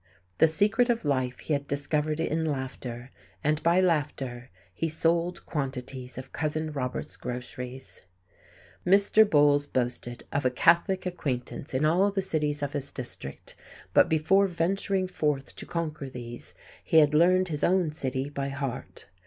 The secret of life he had discovered in laughter, and by laughter he sold quantities of Cousin Robert's groceries. Mr. Bowles boasted of a catholic acquaintance in all the cities of his district, but before venturing forth to conquer these he had learned his own city by heart.